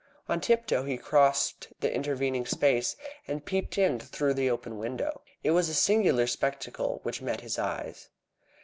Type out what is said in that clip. On tiptoe he crossed the intervening space, and peeped in through the open window. It was a singular spectacle which met his eyes.